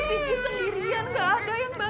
vicky sendirian gak ada yang